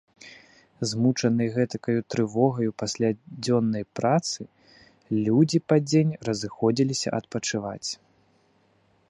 Змучаныя гэтакаю трывогаю пасля дзённай працы, людзі пад дзень разыходзіліся адпачываць.